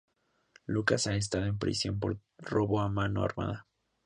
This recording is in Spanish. Lucas ha estado en prisión por robo a mano armada.